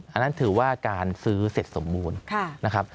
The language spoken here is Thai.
อันนั้นถือว่าการซื้อเสร็จสมบูรณ์นะครับ